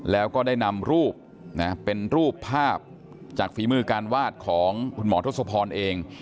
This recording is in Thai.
แล้วก็ได้นำรูปนะเป็นรูปภาพจากฝีมือการวาดของคุณหมอทศพรเอง